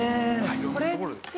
これって。